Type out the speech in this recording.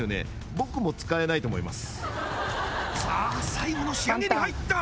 僕も使えないと思いますさあ最後の仕上げに入った！